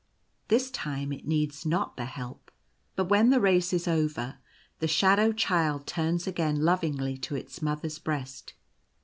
This time it needs not the help ; but when the race is over, the shadow Child turns again lovingly to its Mother's breast.